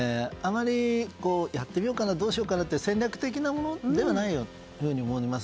やってみようかなどうしようかなという戦略的なものではないように思います。